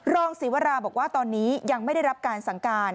รองศิวราบอกว่าตอนนี้ยังไม่ได้รับการสั่งการ